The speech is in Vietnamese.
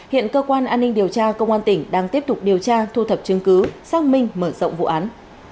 hiện cơ quan an ninh điều tra công an tỉnh đang tiếp tục điều tra thu thập chứng cứ xác minh mở rộng vụ án